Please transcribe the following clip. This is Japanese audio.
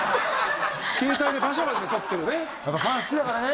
ケータイでバシャバシャ撮ってるね。